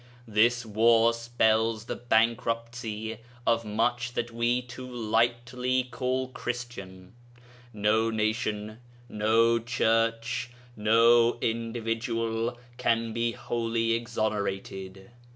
This war spells the bankruptcy of much that we too lightly call Christian. No nation, no Church, no individual can be wholly exonerated.